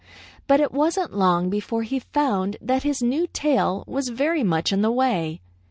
But it wasn't long before he found that his new tail was very much in the way.